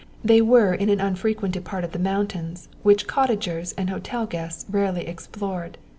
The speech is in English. They were in an unfrequented part of the mountains, which cottagers and hotel guests rarely explored.